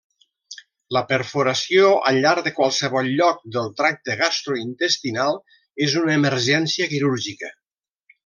La perforació al llarg de qualsevol lloc del tracte gastrointestinal és una emergència quirúrgica.